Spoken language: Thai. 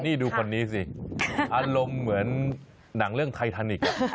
นี่ดูคนนี้สิอารมณ์เหมือนหนังเรื่องไททานิก